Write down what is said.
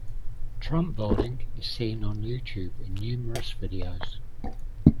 Trampboarding is seen on YouTube in numerous videos.